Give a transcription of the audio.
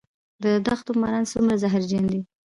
د دښتو ماران څومره زهرجن دي؟